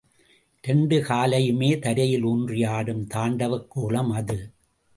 இரண்டு காலையுமே தரையில் ஊன்றி ஆடும் தாண்டவக் கோலம் அது.